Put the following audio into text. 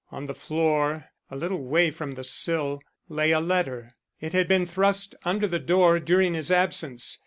On the floor, a little way from the sill, lay a letter. It had been thrust under the door during his absence.